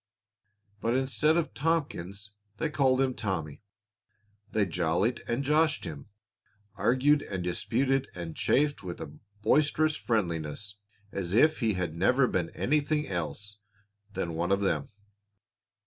But instead of Tompkins, they called him Tommy; they jollied and joshed him, argued and disputed and chaffed with a boisterous friendliness as if he had never been anything else than one of them.